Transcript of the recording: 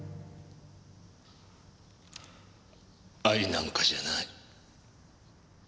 愛なんかじゃない。